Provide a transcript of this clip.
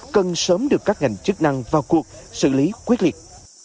cần sớm được các ngành chức năng vào cuộc xử lý quyết liệt